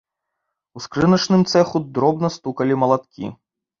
У скрыначным цэху дробна стукалі малаткі.